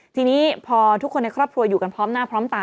ทีนี้พอทุกคนในครอบครัวอยู่กันพร้อมหน้าพร้อมตา